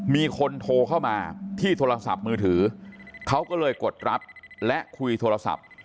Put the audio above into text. มีคนโทรเข้ามาที่โทรศัพท์มือถือเขาก็เลยกดรับและคุยโทรศัพท์